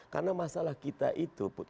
karena masalah kita itu put